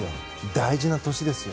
大事な年ですよ。